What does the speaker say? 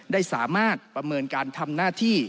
ได้สามารถประเมินการทำหน้าที่